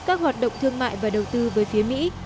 các hoạt động thương mại và đầu tư với phía mỹ